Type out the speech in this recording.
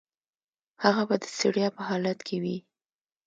هغه به د ستړیا په حالت کې وي.